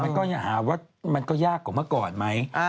แต่มันก็หาว่ามันก็ยากกว่าเมื่อก่อนไหม